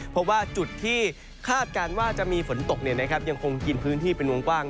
เพราะว่าจุดที่คาดการณ์ว่าจะมีฝนตกยังคงกินพื้นที่เป็นวงกว้าง